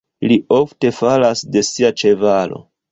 Li ofte falas de sia ĉevalo.